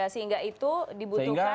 sehingga itu dibutuhkan